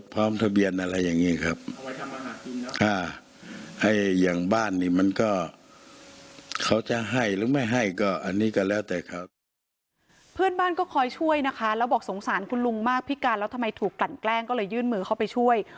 เพื่อนบ้านก็คอยช่วยนะคะแล้วบอกสงสารคุณลุงมากพิการแล้วทำไมถูกกลั่นแกล้งก็เลยยื่นมือเข้าไปช่วย